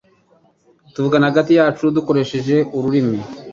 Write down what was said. Tuvugana hagati yacu dukoresheje ururimi